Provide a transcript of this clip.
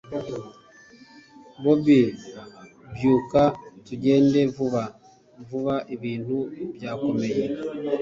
bobi, byuka tugende vuba vuba ibintu byakomeye